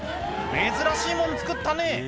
珍しい物作ったね